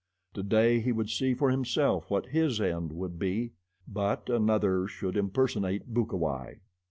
Today he would see for himself what his end would be; but another should impersonate Bukawai.